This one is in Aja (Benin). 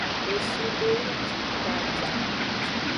Eshi do yi jiko a ja.